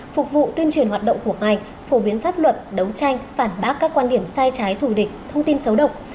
phục vụ tuyên truyền hoạt động của ngành phổ biến pháp luật đấu tranh phản bác các quan điểm sai trái thù địch thông tin xấu độc